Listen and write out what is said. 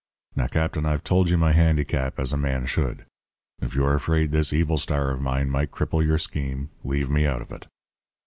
Now, Captain, I've told you my handicap as a man should. If you're afraid this evil star of mine might cripple your scheme, leave me out of it.'